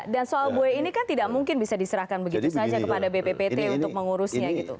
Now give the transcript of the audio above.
dan soal buaya ini kan tidak mungkin bisa diserahkan begitu saja kepada bppt untuk mengurusnya gitu